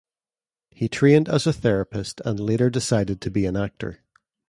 He trained as a therapist and later decided to be an actor.